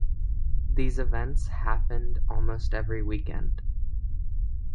These events happened almost every weekend.